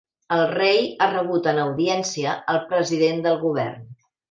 El rei ha rebut en audiència el president del govern.